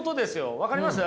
分かります？